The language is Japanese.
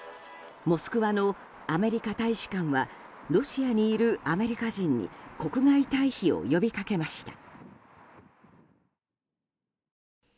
モスクワのアメリカ大使館はロシアにいるアメリカ人に国外退避を呼びかけました。